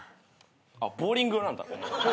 あっボウリングなんだ。